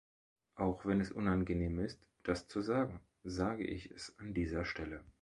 Auch wenn es unangenehm ist, das zu sagen, sage ich es an dieser Stelle.